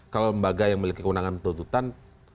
kalau lembaga yang memiliki kewenangan penuntutan